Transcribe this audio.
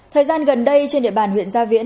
thời gian gần đây trên địa bàn huyện gia viễn